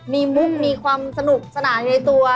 มีมุกมีความสนุกสนานอยู่ในตัว